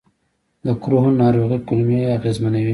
د کروهن ناروغي کولمې اغېزمنوي.